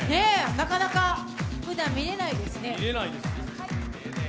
なかなかふだん見れないですね。